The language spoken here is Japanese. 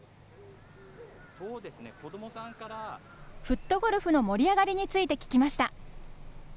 フットゴルフの盛り上がりについて聞きました。